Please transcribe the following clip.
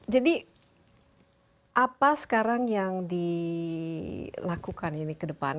jadi apa sekarang yang dilakukan ini ke depan